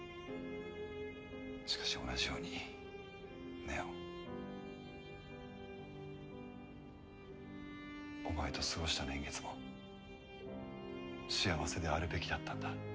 しかし同じように祢音お前と過ごした年月も幸せであるべきだったんだ。